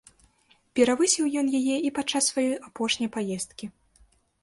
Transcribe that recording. Перавысіў ён яе і падчас сваёй апошняй паездкі.